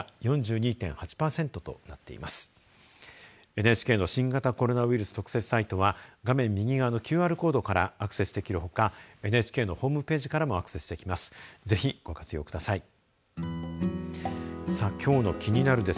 ＮＨＫの新型コロナウイルス特設サイトは画面右側のＱＲコードからアクセスできるほかＮＨＫのホームページからもアクセスできます。